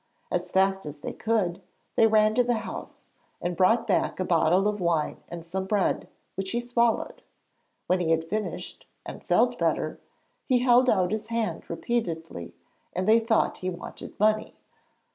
As fast as they could, they ran to the house and brought back a bottle of wine and some bread, which he swallowed. When he had finished, and felt better, he held out his hand repeatedly and they thought he wanted money.